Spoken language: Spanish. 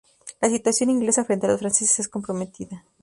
La situación inglesa frente a los franceses es comprometida.